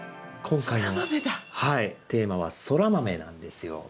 今回のテーマはソラマメなんですよ。